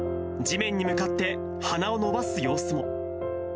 地面に向かって鼻を伸ばす様子も。